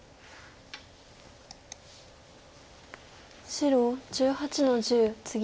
白１８の十ツギ。